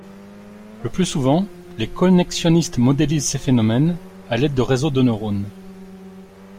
Le plus souvent les connexionnistes modélisent ces phénomènes à l'aide de réseaux de neurones.